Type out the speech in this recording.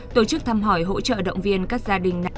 tổ chức thăm hỏi hỗ trợ động viên các gia đình nạn nhân